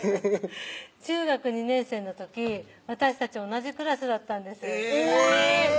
中学２年生の時私たち同じクラスだったんですえぇ！